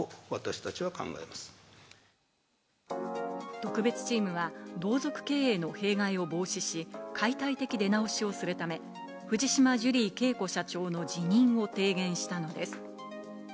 特別チームは同族経営の弊害を防止し、解体的出直しをするため、藤島ジュリー景子社長の辞任を提言したのです。